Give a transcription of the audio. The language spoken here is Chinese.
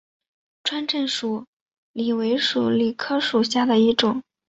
川滇鼠李为鼠李科鼠李属下的一个种。